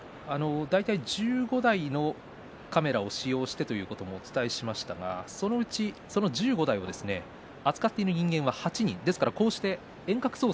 １５台のカメラを使用してということもお伝えしましたがそのうち、１５台扱っている人間は８人。